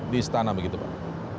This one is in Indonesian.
di istana begitu pak